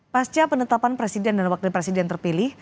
pasca penetapan presiden dan wakil presiden terpilih